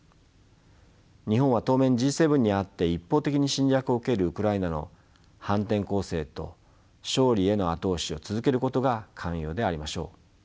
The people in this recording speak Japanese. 日本は当面Ｇ７にあって一方的に侵略を受けるウクライナの反転攻勢と勝利への後押しを続けることが肝要でありましょう。